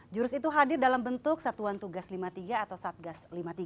jurus itu hadir dalam bentuk satuan tugas lima puluh tiga atau satgas lima puluh tiga